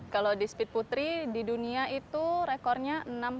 kalau di speed putri di dunia itu rekornya enam puluh